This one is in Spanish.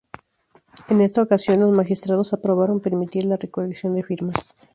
En esta ocasión los magistrados aprobaron permitir la recolección de firmas.